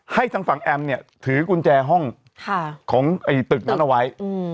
ทางฝั่งแอมเนี่ยถือกุญแจห้องของตึกนั้นเอาไว้